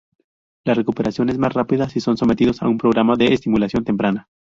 La recuperación es más rápida si son sometidos a un programa de estimulación temprana.